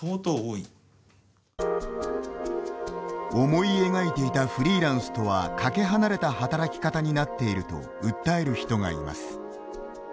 思い描いていたフリーランスとはかけ離れた働き方になっていると訴える人がいます。